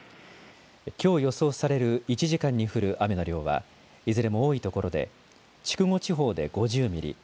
きょう予想される１時間に降る雨の量はいずれも多いところで筑後地方で５０ミリ。